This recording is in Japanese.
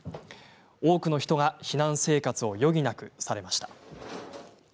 多くの人が避難生活を余儀なくされました。